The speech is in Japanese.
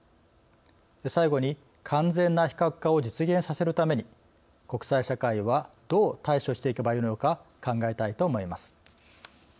最後に、完全な非核化を実現させるために国際社会はどう対処していけばよいのか考えたいと思います。